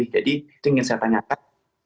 jadi itu yang ingin saya tanyakan